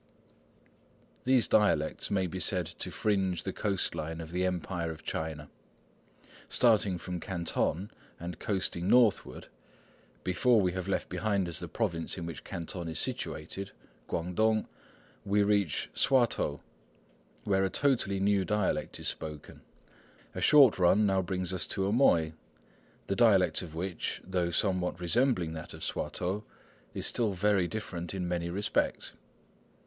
These dialects may be said to fringe the coast line of the Empire of China. Starting from Canton and coasting northward, before we have left behind us the province in which Canton is situated, Kuangtung, we reach Swatow, where a totally new dialect is spoken. A short run now brings us to Amoy, the dialect of which, though somewhat resembling that of Swatow, is still very different in many respects.